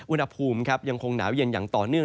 อุณหภูมิยังคงหนาวเย็นอย่างต่อเนื่อง